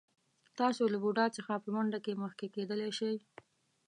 تاسو له بوډا څخه په منډه کې مخکې کېدلی شئ.